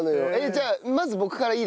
じゃあまず僕からいいですか？